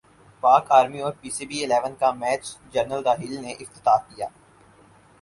پاک ارمی اور P C B eleven کا میچ جنرل راحیل نے افتتاح کیا